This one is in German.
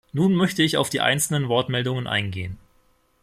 Nun möchte ich auf die einzelnen Wortmeldungen eingehen.